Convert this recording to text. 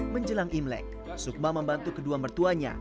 menjelang imlek sukma membantu kedua mertuanya